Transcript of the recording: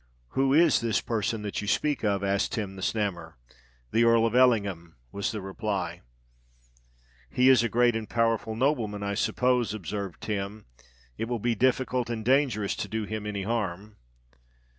"Who is this person that you speak of?" asked Tim the Snammer. "The Earl of Ellingham," was the reply. "He is a great and a powerful nobleman, I suppose," observed Tim. "It will be difficult and dangerous to do him any harm."